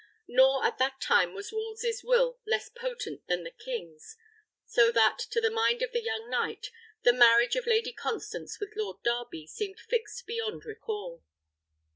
Nor at that time was Wolsey's will less potent than the king's; so that, to the mind of the young knight, the marriage of Lady Constance with Lord Darby seemed fixed beyond recall.